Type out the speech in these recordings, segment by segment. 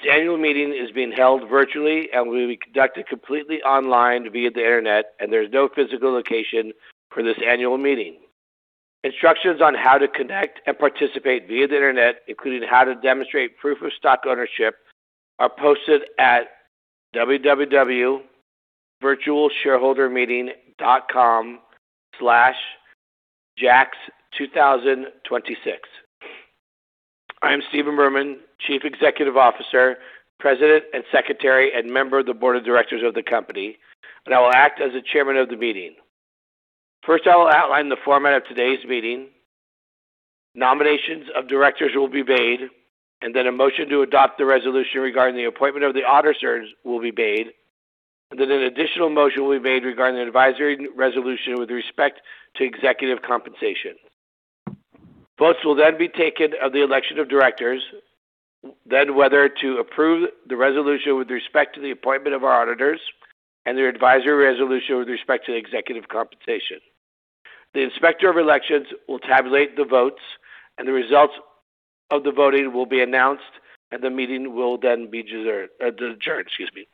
This annual meeting is being held virtually and will be conducted completely online via the internet. There's no physical location for this annual meeting. Instructions on how to connect and participate via the internet, including how to demonstrate proof of stock ownership, are posted at www.virtualshareholdermeeting.com/JAKK2026. I am Stephen Berman, Chief Executive Officer, President, and Secretary, and member of the Board of Directors of the company, and I will act as the chairman of the meeting. First, I will outline the format of today's meeting. Nominations of directors will be made. A motion to adopt the resolution regarding the appointment of the auditors will be made. An additional motion will be made regarding the advisory resolution with respect to executive compensation. Votes will then be taken of the election of directors. Whether to approve the resolution with respect to the appointment of our auditors and the advisory resolution with respect to the executive compensation. The inspector of elections will tabulate the votes. The results of the voting will be announced. The meeting will then be adjourned. Excuse me.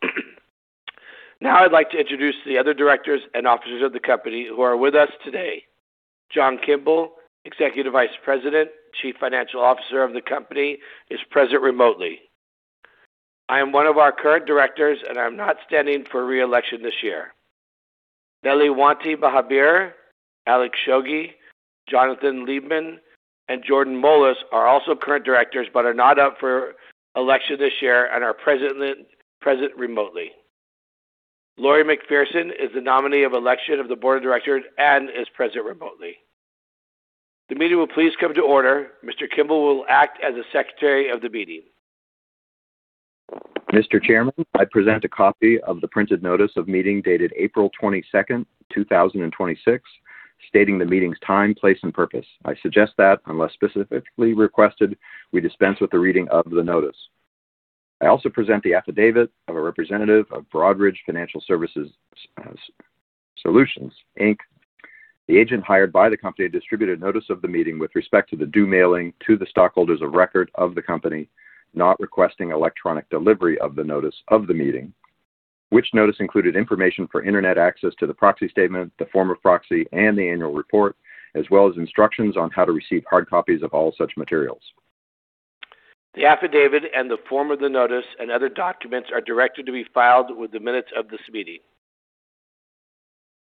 Now, I'd like to introduce the other directors and officers of the company who are with us today. John Kimble, Executive Vice President, Chief Financial Officer of the company, is present remotely. I am one of our current directors. I'm not standing for re-election this year. Neilwantie Mahabir, Alexander Shoghi, Jonathan Liebman, and Jordan Moelis are also current directors but are not up for election this year and are present remotely. Lori MacPherson is the nominee of election of the Board of Directors and is present remotely. The meeting will please come to order. Mr. Kimble will act as the Secretary of the meeting. Mr. Chairman, I present a copy of the printed notice of meeting dated April 22nd, 2026, stating the meeting's time, place, and purpose. I suggest that, unless specifically requested, we dispense with the reading of the notice. I also present the affidavit of a representative of Broadridge Financial Solutions, Inc. The agent hired by the company distributed notice of the meeting with respect to the due mailing to the stockholders of record of the company, not requesting electronic delivery of the notice of the meeting, which notice included information for internet access to the proxy statement, the form of proxy, and the annual report, as well as instructions on how to receive hard copies of all such materials. The affidavit and the form of the notice and other documents are directed to be filed with the minutes of this meeting.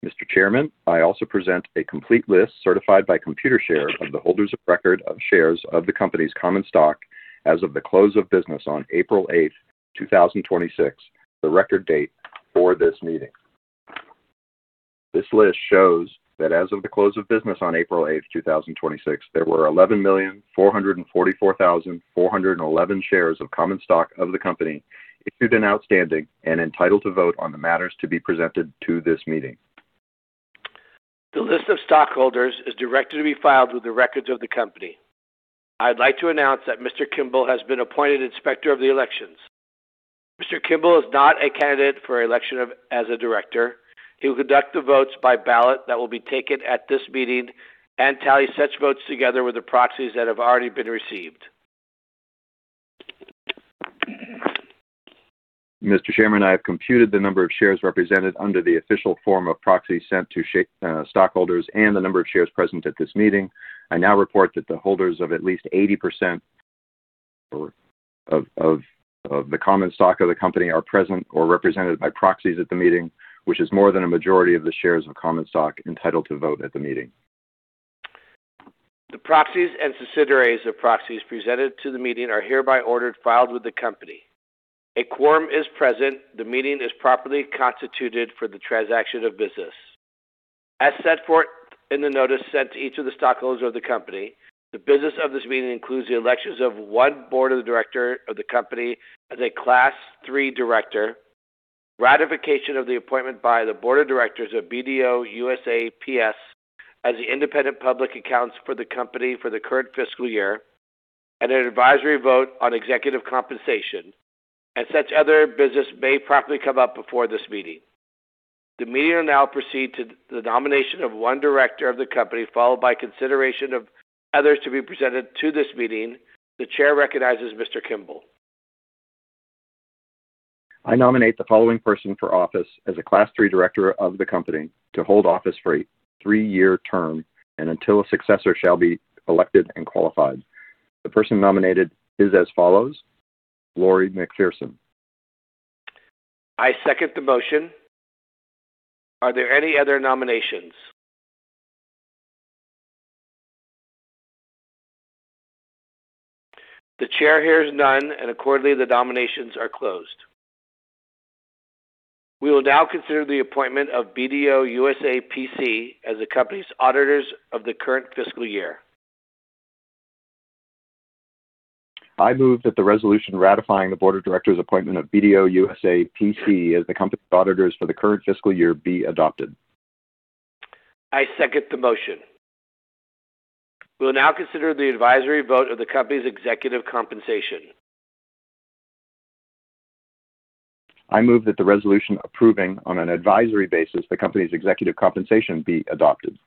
Mr. Chairman, I also present a complete list certified by Computershare of the holders of record of shares of the company's common stock as of the close of business on April 8th, 2026, the record date for this meeting. This list shows that as of the close of business on April 8th, 2026, there were 11,444,411 shares of common stock of the company issued and outstanding and entitled to vote on the matters to be presented to this meeting. The list of stockholders is directed to be filed with the records of the company. I'd like to announce that Mr. Kimble has been appointed inspector of the elections. Mr. Kimble is not a candidate for election as a director. He will conduct the votes by ballot that will be taken at this meeting and tally such votes together with the proxies that have already been received. Mr. Chairman, I have computed the number of shares represented under the official form of proxy sent to shareholders and the number of shares present at this meeting. I now report that the holders of at least 80% of the common stock of the company are present or represented by proxies at the meeting, which is more than a majority of the shares of common stock entitled to vote at the meeting. The proxies and signatories of proxies presented to the meeting are hereby ordered filed with the company. A quorum is present. The meeting is properly constituted for the transaction of business. As set forth in the notice sent to each of the stockholders of the company, the business of this meeting includes the elections of one board of the director of the company as a Class III director, ratification of the appointment by the board of directors of BDO USA, P.C. as the independent public accountants for the company for the current fiscal year, and an advisory vote on executive compensation, and such other business may properly come up before this meeting. The meeting will now proceed to the nomination of one director of the company, followed by consideration of others to be presented to this meeting. The chair recognizes Mr. Kimble. I nominate the following person for office as a Class III director of the company to hold office for a three-year term and until a successor shall be elected and qualified. The person nominated is as follows, Lori MacPherson. I second the motion. Are there any other nominations? The chair hears none. Accordingly, the nominations are closed. We will now consider the appointment of BDO USA, P.C. as the company's auditors of the current fiscal year. I move that the resolution ratifying the board of directors' appointment of BDO USA, P.C. as the company's auditors for the current fiscal year be adopted. I second the motion. We will now consider the advisory vote of the company's executive compensation. I move that the resolution approving on an advisory basis the company's executive compensation be adopted.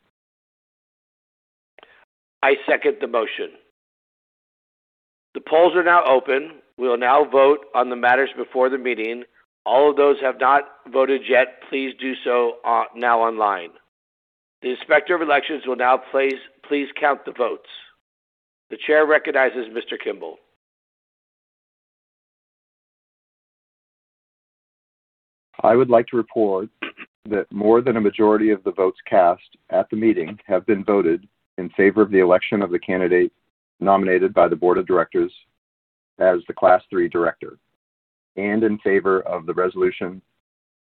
I second the motion. The polls are now open. We will now vote on the matters before the meeting. All those who have not voted yet, please do so now online. The inspector of elections will now please count the votes. The chair recognizes Mr. Kimble. I would like to report that more than a majority of the votes cast at the meeting have been voted in favor of the election of the candidate nominated by the board of directors as the Class III director and in favor of the resolution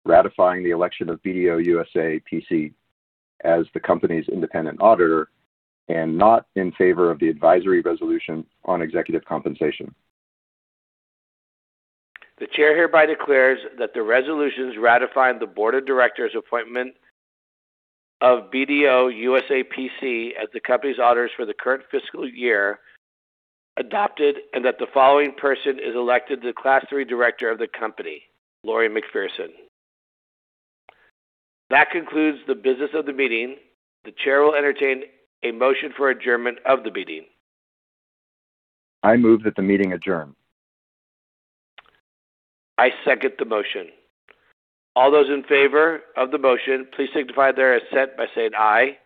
ratifying the election of BDO USA, P.C. as the company's independent auditor and not in favor of the advisory resolution on executive compensation. The chair hereby declares that the resolutions ratifying the Board of Directors' appointment of BDO USA, P.C. as the company's auditors for the current fiscal year adopted and that the following person is elected the Class III director of the company, Lori MacPherson. That concludes the business of the meeting. The chair will entertain a motion for adjournment of the meeting. I move that the meeting adjourn. I second the motion. All those in favor of the motion, please signify their assent by saying aye.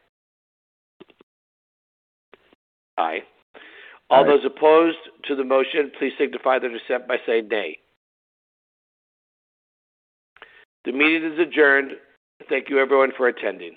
Aye. Aye. All those opposed to the motion, please signify their dissent by saying nay. The meeting is adjourned. Thank you, everyone, for attending.